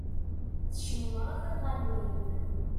Tcemmṛeḍ iɣallen-im.